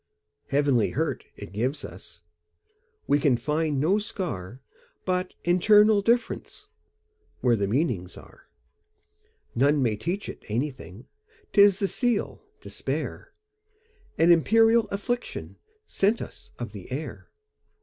Heavenly hurt it gives us; We can find no scar, But internal differenceWhere the meanings are. None may teach it anything,'T is the seal, despair,—An imperial afflictionSent us of the air.